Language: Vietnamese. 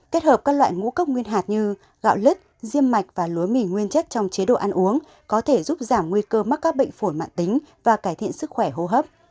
kết hợp các loại ngũ cốc nguyên hạt như gạo lứt diêm mạch và lúa mì nguyên chất trong chế độ ăn uống có thể giúp giảm nguy cơ mắc các bệnh phổi mạng tính và cải thiện sức khỏe hô hấp